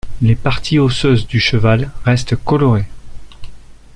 Les parties osseuses du cheval restent colorées.